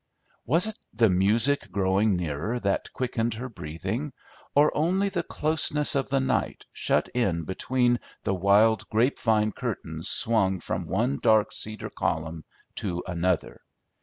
Was it the music growing nearer that quickened her breathing, or only the closeness of the night shut in between the wild grapevine curtains swung from one dark cedar column to another?